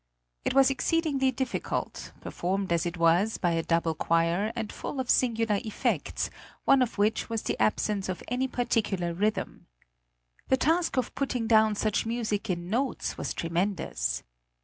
It was exceedingly difficult, performed as it was by a double choir, and full of singular effects, one of which was the absence of any particular rhythm. The task of putting down such music in notes was tremendous.